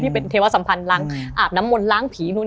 เป็นเทวสัมพันธ์ล้างอาบน้ำมนต์ล้างผีนู้น